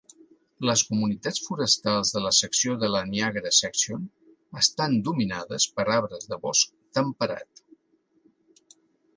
Les comunitats forestals de la secció de la Niagara Section estan dominades per arbres de bosc temperat.